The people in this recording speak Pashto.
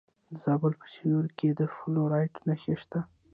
د زابل په سیوري کې د فلورایټ نښې شته.